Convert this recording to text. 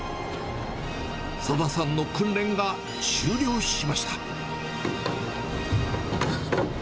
佐田さんの訓練が終了しました。